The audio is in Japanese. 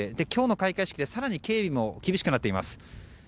今日の開会式更に警備も厳しくなっています。